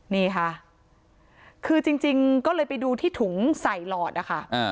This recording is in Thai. นี่ค่ะคือจริงก็เลยไปดูที่ถุงใส่หลอดนะคะ